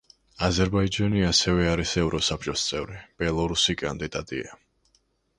აზერბაიჯანი არის ასევე ევროსაბჭოს წევრი, ბელარუსი კანდიდატია.